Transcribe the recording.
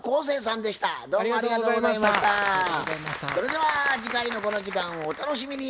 それでは次回のこの時間をお楽しみに。